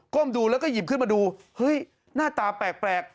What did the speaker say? ้มดูแล้วก็หยิบขึ้นมาดูเฮ้ยหน้าตาแปลก